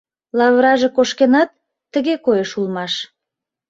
Лавыраже кошкенат, тыге коеш улмаш.